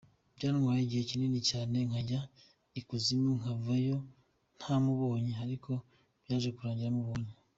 Byantwaye igihe kinini cyane nkajya ikuzimu nkavayo ntamubonye ariko byaje kurangira mubonye.